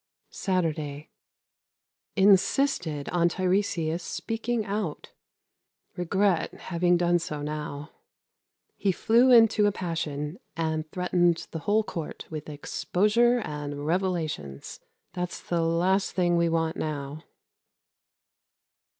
Saturday. Insisted on Tiresias speaking out. Regret having done so now. He flew into a passion, and threatened the whole court with "exposure" and "revelations." That's the last thing we want now.